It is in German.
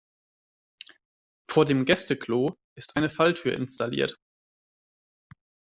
Vor dem Gäste-Klo ist eine Falltür installiert.